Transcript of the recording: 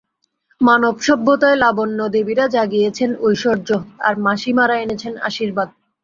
মানবসভ্যতায় লাবণ্য-দেবীরা জাগিয়েছেন ঐশ্বর্য, আর মাসিমারা এনেছেন আশীর্বাদ।